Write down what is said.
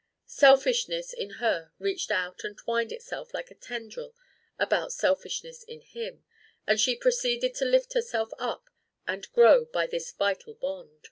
Selfishness in her reached out and twined itself like a tendril about selfishness in him; and she proceeded to lift herself up and grow by this vital bond.